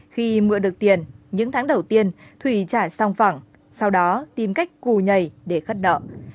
khi mượn được tiền những tháng đầu tiên thủy trả song phẳng sau đó tìm cách cù nhầy để khắt nợ